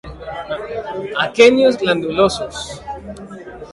Aquenios glandulosos.